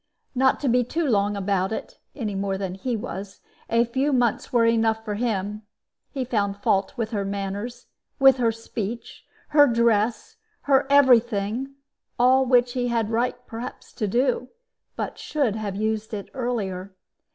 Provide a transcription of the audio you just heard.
Not to be too long about it any more than he was a few months were enough for him. He found fault with her manners, with her speech, her dress, her every thing all which he had right, perhaps, to do, but should have used it earlier.